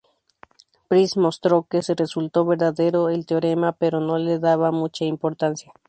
Price mostró que se resultó verdadero el teorema pero no le daba mucha importancia.